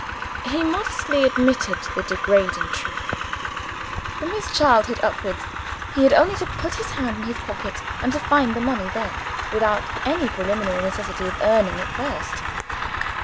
He modestly admitted the degrading truth. From his childhood upwards, he had only to put his hand in his pocket, and to find the money there, without any preliminary necessity of earning it first.